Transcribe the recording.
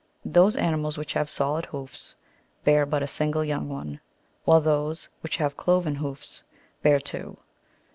Those animals which have solid hoofs beai' but a single young one, while those which have cloven hoofs bear two.